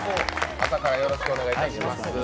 朝からよろしくお願いします。